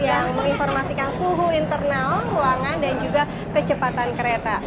yang menginformasikan suhu internal ruangan dan juga kecepatan kereta